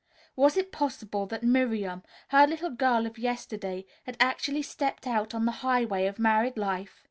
Was it possible that Miriam, her little girl of yesterday, had actually stepped out on the highway of married life?